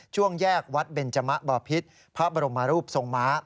ช่วงแยกวัดเบนจมะบ่อพิษพระบรมรูปทรงม้า